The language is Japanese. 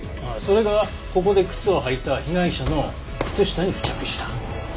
ああそれがここで靴を履いた被害者の靴下に付着した。